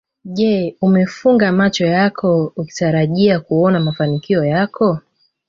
Je umefunga macho yako ukitarajia kuona mafanikio yako